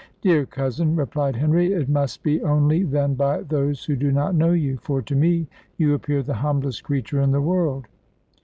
"Dear cousin," replied Henry, "it must be only, then, by those who do not know you; for to me you appear the humblest creature in the world."